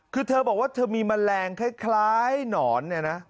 คือเธอบอกว่าเธอมีแมลงคล้ายหนอนเนี่ยนะ